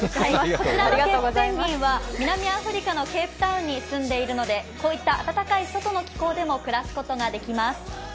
こちらのケープペンギンは南アフリカのケープタウンに住んでいるのでこういった暖かい外の気候でも暮らすことができます。